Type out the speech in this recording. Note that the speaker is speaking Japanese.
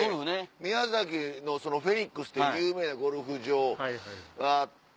宮崎のフェニックスって有名なゴルフ場があって。